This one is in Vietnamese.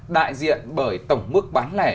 đại diện bởi tổng mức bán lẻ